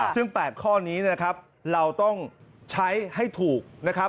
ซึ่ง๘ข้อนี้นะครับเราต้องใช้ให้ถูกนะครับ